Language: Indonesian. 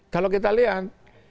kalau kita lihat